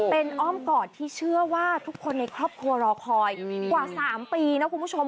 เป็นอ้อมกอดที่เชื่อว่าทุกคนในครอบครัวรอคอยกว่า๓ปีนะคุณผู้ชม